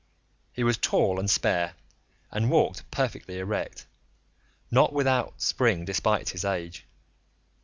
He was tall and spare, and walked perfectly erect, not without spring despite his age.